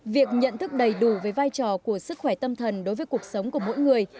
việc nhận thức đầy đủ về vai trò của sức khỏe tâm thần đối với cuộc sống của mỗi người